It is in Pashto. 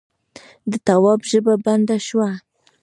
د تواب ژبه بنده شوه: